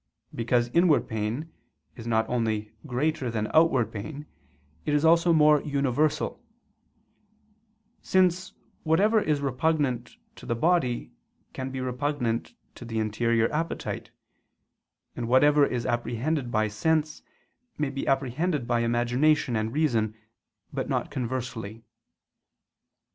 Because inward pain is not only greater than outward pain, it is also more universal: since whatever is repugnant to the body, can be repugnant to the interior appetite; and whatever is apprehended by sense may be apprehended by imagination and reason, but not conversely.